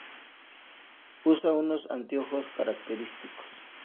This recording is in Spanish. Usa unos anteojos característicos.